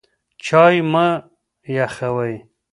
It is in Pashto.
چای مه یخوئ.